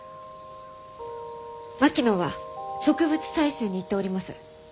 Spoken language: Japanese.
槙野は植物採集に行っております。